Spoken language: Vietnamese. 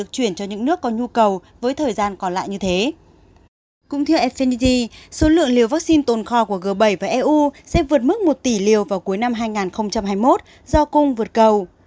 cũng theo fed số lượng liều vaccine tồn kho của g bảy và eu sẽ vượt mức một tỷ liều vào cuối năm hai nghìn hai mươi một do cung vượt cầu